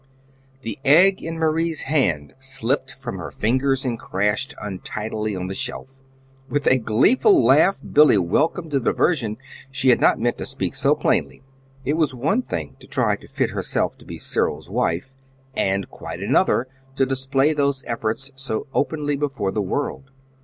The egg in Marie's hand slipped from her fingers and crashed untidily on the shelf. With a gleeful laugh Billy welcomed the diversion. She had not meant to speak so plainly. It was one thing to try to fit herself to be Cyril's wife, and quite another to display those efforts so openly before the world.